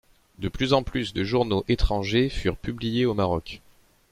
De plus en plus de journaux étrangers furent publiés au Maroc.